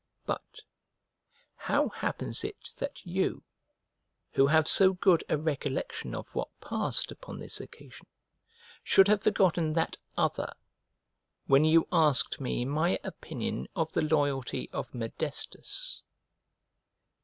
But, how happens it that you, who have so good a recollection of what passed upon this occasion, should have forgotten that other, when you asked me my opinion of the loyalty of Modestus?"